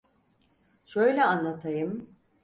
Şöyle anlatayım.